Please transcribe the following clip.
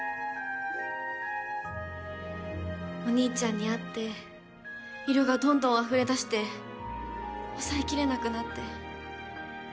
お兄ちゃんに会って色がどんどんあふれ出して抑えきれなくなって。